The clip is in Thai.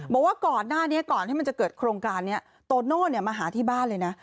บอกว่าก่อนหน้านี้ก่อนที่มันจะเกิดโครงการนี้โตโน่มาหาที่บ้านเลยนะ